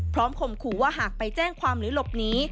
ข่มขู่ว่าหากไปแจ้งความหรือหลบหนี